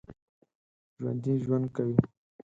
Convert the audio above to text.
ژوندي ژوند کوي